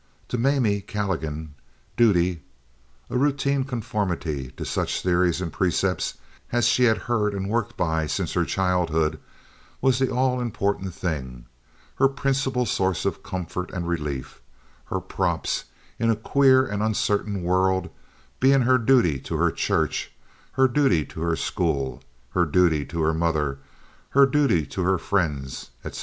To Mamie Calligan duty (a routine conformity to such theories and precepts as she had heard and worked by since her childhood) was the all important thing, her principal source of comfort and relief; her props in a queer and uncertain world being her duty to her Church; her duty to her school; her duty to her mother; her duty to her friends, etc.